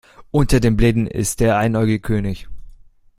Unter den Blinden ist der Einäugige König.